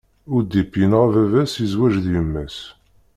Udip yenɣa baba-s, yezwej d yemma-s.